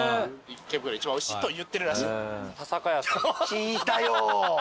聞いたよ。